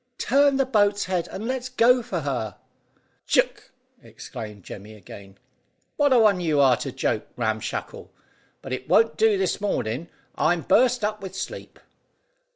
"Turn the boat's head, and let's go for her." "Ck!" ejaculated Jemmy again. "What a one you are to joke, Ram Shackle; but it won't do this mornin'. I'm burst up with sleep."